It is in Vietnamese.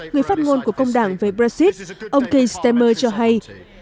người phát ngôn của công đảng về brexit ông king stemmer cho hay